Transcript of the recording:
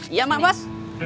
iya emak bos